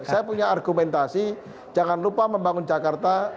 saya punya argumentasi jangan lupa membangun jakarta dengan kaum betawinya